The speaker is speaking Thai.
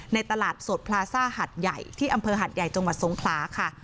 ตลาดสดพลาซ่าหัดใหญ่ที่อำเภอหัดใหญ่จังหวัดสงขลาค่ะ